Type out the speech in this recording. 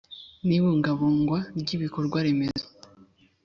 N ibungabungwa ry ibikorwa remezo